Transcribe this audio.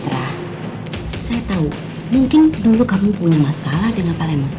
citra saya tau mungkin dulu kamu punya masalah dengan pak lemos